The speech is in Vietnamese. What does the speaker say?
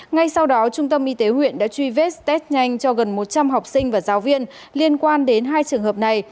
ngay sau đó trung tâm y tế huyện đã truy vết test nhanh cho gần một trăm linh học sinh và giáo viên liên quan đến hai trường hợp này